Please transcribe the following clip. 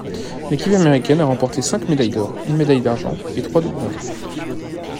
L'équipe américaine a remporté cinq médailles d’or, une médaille d’argent et trois de bronze.